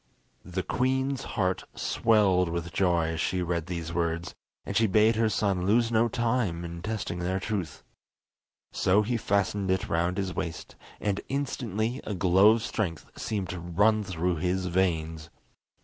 The queen's heart swelled with joy as she read these words, and she bade her son lose no time in testing their truth. So he fastened it round his waist, and instantly a glow of strength seemed to run through his veins.